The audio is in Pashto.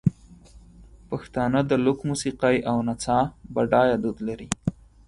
پښتانه د لوک موسیقۍ او نڅا بډایه دود لري.